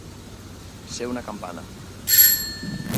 Ser una campana.